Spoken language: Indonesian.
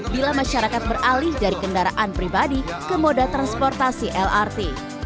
bila masyarakat beralih dari kendaraan pribadi ke moda transportasi lrt